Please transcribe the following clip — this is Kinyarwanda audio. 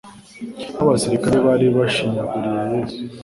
Ba basirikari bari bashinyaguriye Yesu,